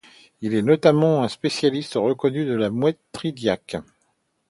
Il est notamment un spécialiste reconnu de la mouette tridactyle.